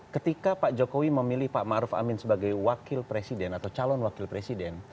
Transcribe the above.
ketika pak jokowi memilih pak maruf amin sebagai wakil presiden atau calon wakil presiden